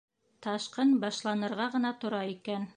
Ташҡын башланырға ғына тора икән.